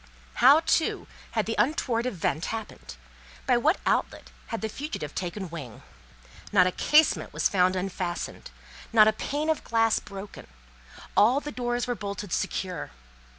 How, too, had the untoward event happened? By what outlet had the fugitive taken wing? Not a casement was found unfastened, not a pane of glass broken; all the doors were bolted secure.